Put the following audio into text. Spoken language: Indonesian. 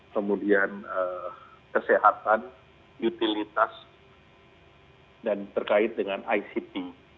kemudian kesehatan utilitas dan terkait dengan icp